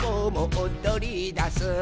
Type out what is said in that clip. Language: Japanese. おどりだす」